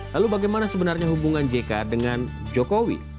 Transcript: lalu bagaimana sebenarnya hubungan jk dengan jokowi